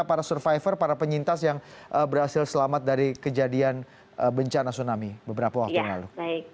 para survivor para penyintas yang berhasil selamat dari kejadian bencana tsunami beberapa waktu yang lalu